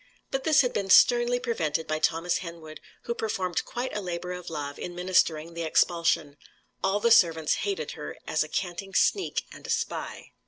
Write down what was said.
But this had been sternly prevented by Thomas Kenwood, who performed quite a labour of love in ministering the expulsion. All the servants hated her as a canting sneak and a spy.